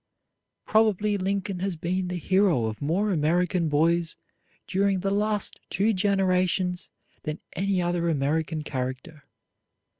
Probably Lincoln has been the hero of more American boys during the last two generations than any other American character.